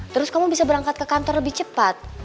terus kamu bisa berangkat ke kantor lebih cepat